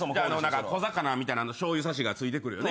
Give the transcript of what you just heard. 小魚みたいなしょうゆさしが付いてくるよね。